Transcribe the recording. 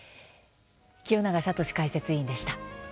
清永聡解説委員でした。